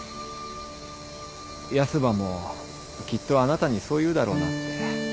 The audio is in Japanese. ヤスばもきっとあなたにそう言うだろうなって。